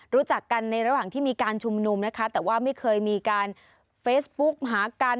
รู้จักกันในระหว่างที่มีการชุมนุมนะคะแต่ว่าไม่เคยมีการเฟซบุ๊กหากัน